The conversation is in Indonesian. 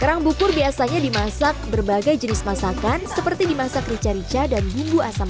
kerang bukur biasanya dimasak berbagai jenis masakan seperti dimasak rica rica dan bumbu asam